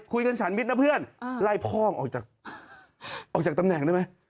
ฉันมิตรนะเพื่อนไล่พ่อออกจากออกจากตำแหน่งได้ไหม